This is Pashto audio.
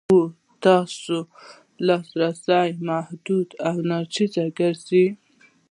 هغو ته ستاسو لاسرسی محدود او ناچیز ګرځي.